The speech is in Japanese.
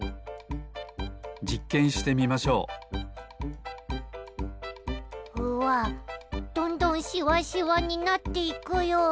じっけんしてみましょううわっどんどんしわしわになっていくよ！